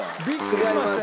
違います。